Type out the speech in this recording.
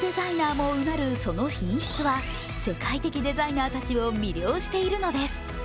もうなるその品質は世界的デザイナーたちを魅了しているのです。